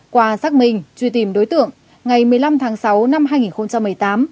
qua xác minh truy tìm đối tượng ngày một mươi năm tháng sáu năm hai nghìn một mươi tám